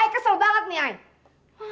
kesel banget nih ayah